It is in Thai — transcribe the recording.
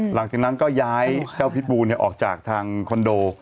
หลังจากนั้นก็ย้ายเจ้าพิษบูออกจากทางคอนโด